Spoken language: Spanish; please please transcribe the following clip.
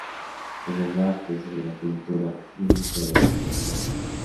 En el arte, "Sobre la pintura" y una "Historia del Teatro".